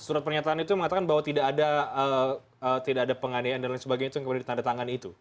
surat pernyataan itu yang mengatakan bahwa tidak ada penganiayaan dan lain sebagainya itu yang kemudian ditandatangani itu